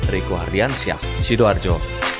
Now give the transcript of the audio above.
riko hardiansyah sidoarjo